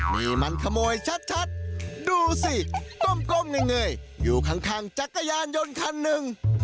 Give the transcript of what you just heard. นี่มันขโมยชัดดูสิก้มเงยอยู่ข้างจักรยานยนต์คันหนึ่ง